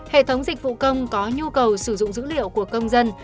hệ thống dịch vụ công có nhu cầu sử dụng dữ liệu của công dân